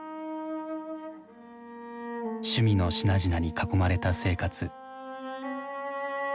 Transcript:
趣味の品々に囲まれた生活。